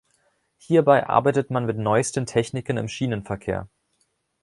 Hierbei arbeitet man mit neuesten Techniken im Schienenverkehr.